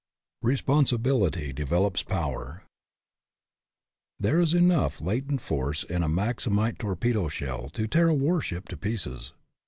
RESPONSIBILITY DEVELOPS POWER HERE is enough latent force in a Maximite torpedo shell to tear a warship to pieces.